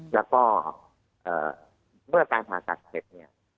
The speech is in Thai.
แล้วก็เมื่อต่างหากธัตรเสร็จ